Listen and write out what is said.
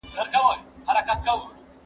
نرکس تل پر اقتصادي وده خپل ټينګار کاوه.